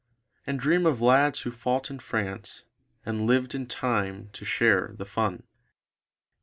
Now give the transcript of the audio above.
And dream of lads who fought in France and lived in time to share the fun.